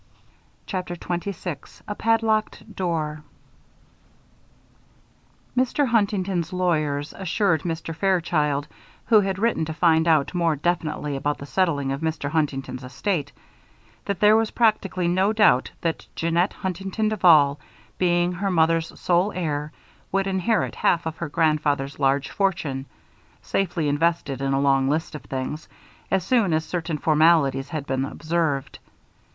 CHAPTER XXVI A PADLOCKED DOOR Mr. Huntington's lawyers assured Mr. Fairchild, who had written to find out more definitely about the settling of Mr. Huntington's estate, that there was practically no doubt that Jeannette Huntington Duval, being her mother's sole heir, would inherit half of her grandfather's large fortune, safely invested in a long list of things, as soon as certain formalities had been observed.